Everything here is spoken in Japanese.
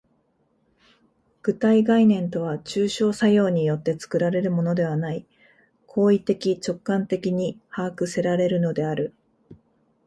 具体概念とは抽象作用によって作られるのではない、行為的直観的に把握せられるのである。